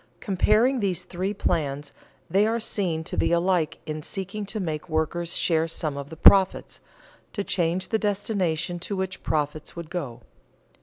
_ Comparing these three plans, they are seen to be alike in seeking to make workers share some of the profits, to change the destination to which profits would go.